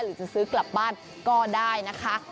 หรือจะซื้อกลับบ้านก็ได้นะคะ